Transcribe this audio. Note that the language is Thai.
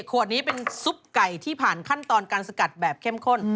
ขวดนี้เป็นซุปไก่ที่ผ่านขั้นตอนการสกัดแบบเข้มข้น